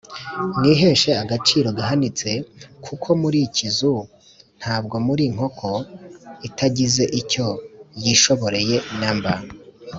mwiheshe agaciro gahanitse, kuko muri Ikizu ntabwo muri Inkoko itagize icyo yishoboreye na mba!